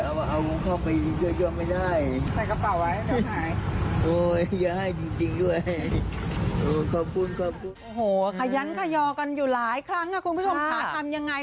เอ้อขอบคุณขอบคุณโอ้โหขยั้นขยอกันอยู่หลายครั้งคุณผู้ชมท่าทำอย่างไร